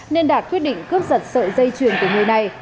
nên đạt quyết định cướp giật sợi dây chuyền của người này